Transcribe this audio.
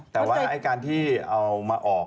แต่แรกการพิม่าออก